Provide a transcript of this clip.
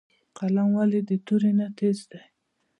قلم ولې د تورې نه تېز دی؟